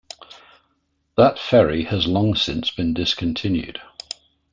That ferry has long since been discontinued.